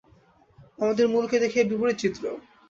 আমাদের মুলুকে দেখি এর বিপরীত চিত্র।